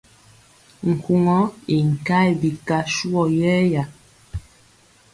Nkugɔ ii nkayɛ bika suwɔ yɛya.